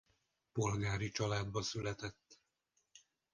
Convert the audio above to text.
Polgári családba született.